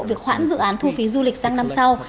việc khoản dự án thu phí du lịch sang năm sau